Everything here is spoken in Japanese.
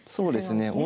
そうですね。